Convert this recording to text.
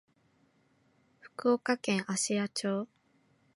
福岡県芦屋町